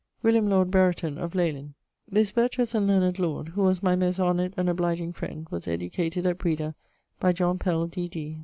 William, lord Brereton[BB] of : this vertuous and learned lord (who was my most honoured and obligeing friend) was educated at Breda, by John Pell, D.D.